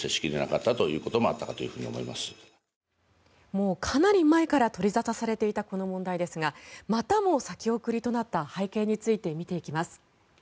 もうかなり前から取り沙汰されていたこの問題ですがまたも先送りとなった背景について見ていきます。